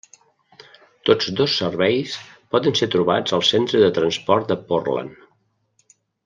Tots dos serveis poden ser trobats al Centre de Transport de Portland.